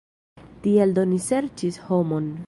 Tial do ni serĉis homon.